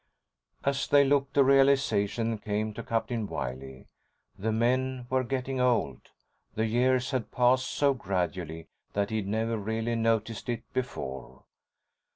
As they looked, a realization came to Captain Wiley. The men were getting old. The years had passed so gradually that he'd never really noticed it before.